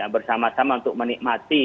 bersama sama untuk menikmati